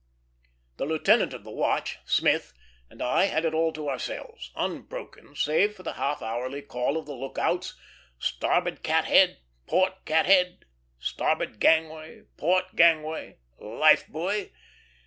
The lieutenant of the watch, Smith, and I had it all to ourselves; unbroken, save for the half hourly call of the lookouts: "Starboard cathead!" "Port cathead!" "Starboard gangway!" "Port gangway!" "Life buoy!"